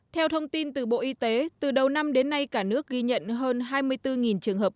theo thông tin từ bộ y tế từ đầu năm đến nay cả nước ghi nhận hơn hai mươi bốn trường hợp